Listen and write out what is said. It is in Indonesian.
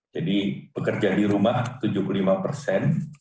jadi pekerja di rumah tujuh puluh lima persen